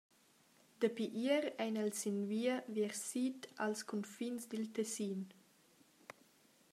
Dapi ier ein els sin via viers sid als cunfins dil Tessin.